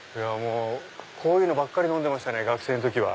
こういうのばかり飲んでましたね学生の時は。